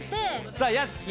さあ屋敷。